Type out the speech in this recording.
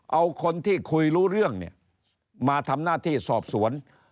เอาคนที่คุยรู้เรื่องเนี่ยมาทำหน้าที่สอบสวน